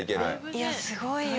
いやすごいよ。